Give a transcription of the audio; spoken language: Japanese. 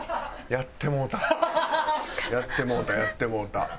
やってもうたやってもうた。